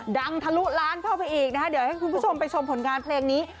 ทะลุล้านเข้าไปอีกนะคะเดี๋ยวให้คุณผู้ชมไปชมผลงานเพลงนี้